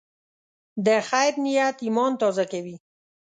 د خیر نیت ایمان تازه کوي.